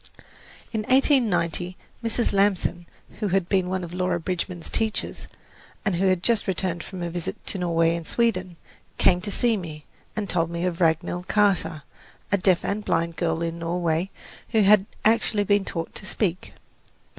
In 1890 Mrs. Lamson, who had been one of Laura Bridgman's teachers, and who had just returned from a visit to Norway and Sweden, came to see me, and told me of Ragnhild Kaata, a deaf and blind girl in Norway who had actually been taught to speak.